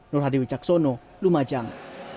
nur hadiwi caksono lumajang